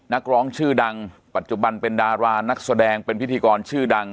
นักร้องชื่อดังปัจจุบันเป็นดารานักแสดงเป็นพิธีกรชื่อดัง